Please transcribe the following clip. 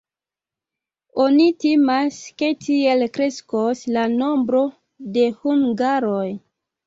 Oni timas, ke tiel kreskos la nombro de hungaroj.